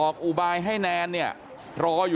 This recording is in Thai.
กลับไปลองกลับ